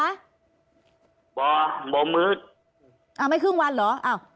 บ่อบ่อมืดอ่าไม่ครึ่งวันเหรออ้าว